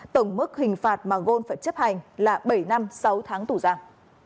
tổng mức hình phạt mà gôn phải chấp hành là bảy năm sáu tháng tù giam